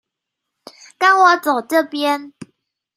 跟我走這邊